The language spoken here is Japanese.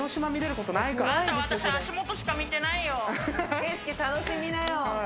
景色、楽しみなよ。